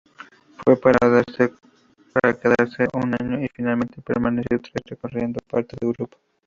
Fue para quedarse un año y finalmente permaneció tres, recorriendo parte de Europa.